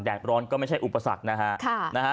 ร้อนก็ไม่ใช่อุปสรรคนะฮะ